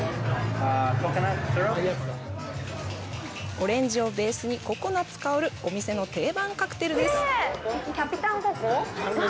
オレンジをベースに、ココナッツ香るお店の定番カクテルです。